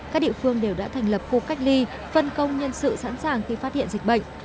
các địa phương đều đã thành lập khu cách ly phân công nhân sự sẵn sàng khi phát hiện dịch bệnh